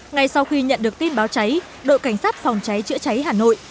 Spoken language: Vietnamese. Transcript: ngay sau khi nhận được tin báo cháy đội cảnh sát phòng cháy chữa cháy hà nội